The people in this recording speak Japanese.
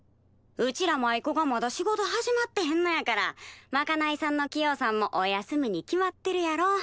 うちら舞妓がまだ仕事始まってへんのやからまかないさんのキヨさんもお休みに決まってるやろ。